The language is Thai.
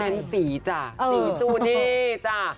แน่นสีจ้ะสีตู้นี้จ้ะ